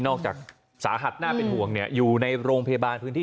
จากสาหัสน่าเป็นห่วงอยู่ในโรงพยาบาลพื้นที่